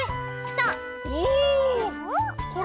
そう！